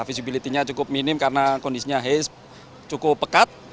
visibilitinya cukup minim karena kondisinya hesp cukup pekat